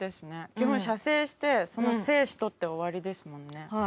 基本射精してその精子撮って終わりですもんね。